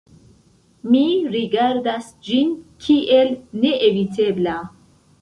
Mi rigardas ĝin kiel neevitebla.